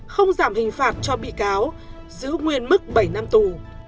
không giảm hình phạt cho bị cáo giữ nguyên mức bảy năm tù